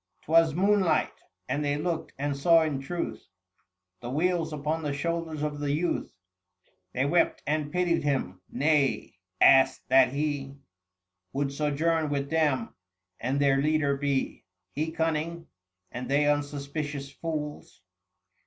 'Twas moonlight, and they looked and saw in truth 745 The weals upon the shoulders of the youth. They wept and pitied him — nay, asked that he Would sojourn with them and their leader be, He cunning, and they unsuspicious fools.